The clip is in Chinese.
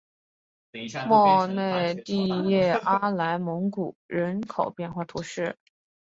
莫内蒂耶阿莱蒙人口变化图示